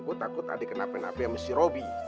gue takut ada yang kena penapian sama si robby